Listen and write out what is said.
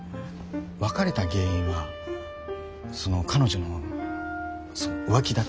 別れた原因はその彼女の浮気だったんで。